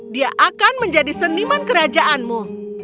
dia akan menjadi seniman kerajaanmu